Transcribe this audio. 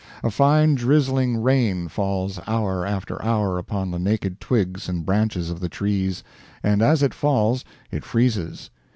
A fine drizzling rain falls hour after hour upon the naked twigs and branches of the trees, and as it falls it freezes.